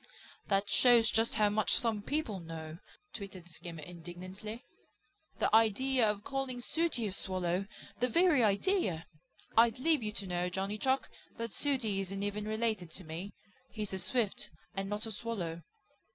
"That shows just how much some people know!" twittered Skimmer indignantly. "The idea of calling Sooty a Swallow! The very idea! I'd leave you to know, Johnny Chuck, that Sooty isn't even related to me. He's a Swift, and not a Swallow."